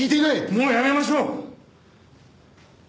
もうやめましょう！